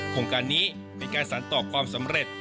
โครงการนี้เป็นการสารต่อความสำเร็จ